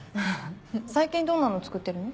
最近どんなの作ってるの？